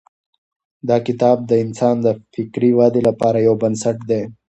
دا کتاب د انسان د فکري ودې لپاره یو بنسټ دی.